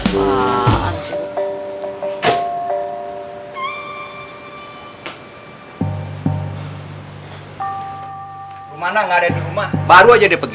hai ruana ngerik di rumah baru aja di pergi